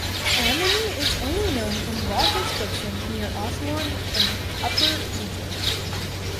Ameny is only known from rock inscriptions near Aswan in Upper Egypt.